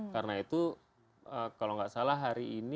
karena itu kalau enggak salah hari ini